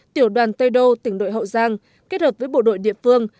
tiểu đoàn tây đô tỉnh đội hậu giang kết hợp với bộ đội địa phương